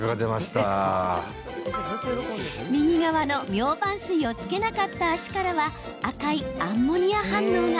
右側のミョウバン水を付けなかった足からは赤いアンモニア反応が。